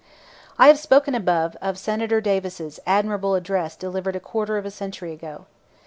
I have spoken above of Senator Davis's admirable address delivered a quarter of a century ago.